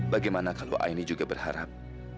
bagaimana kalau aini juga berharap